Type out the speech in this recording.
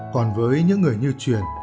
còn với những người như truyền